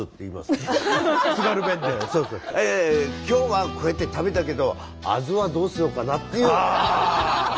「今日はこうやって食べたけどアズはどうしようかな」っていう。